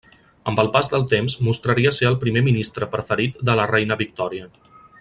Amb el pas del temps mostraria ser el primer ministre preferit de la reina Victòria.